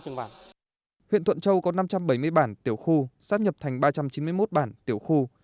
huyện thuận châu có năm trăm bảy mươi bản tiểu khu sắp nhập thành ba trăm chín mươi một bản tiểu khu